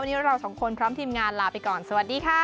วันนี้เราสองคนพร้อมทีมงานลาไปก่อนสวัสดีค่ะ